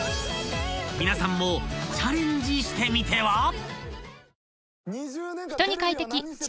［皆さんもチャレンジしてみては？］